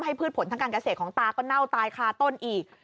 พืชผลทางการเกษตรของตาก็เน่าตายคาต้นอีก